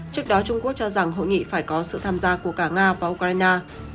trước đó trung quốc cho rằng hội nghị phải có sự tham gia của cả nga và ukraine